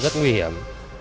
rất nguy hiểm